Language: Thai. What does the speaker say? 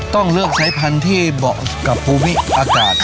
ต้องเลือกสายพันธุ์ที่เหมาะกับภูมิอากาศ